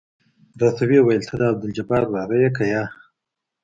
راته ويې ويل ته د عبدالجبار وراره يې که يه.